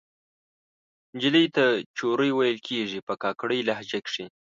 نجلۍ ته چورۍ ویل کیږي په کاکړۍ لهجه کښې